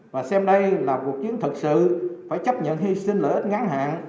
và xem đây là cuộc chiến thật sự phải chấp nhận hy sinh lợi ích ngắn hạn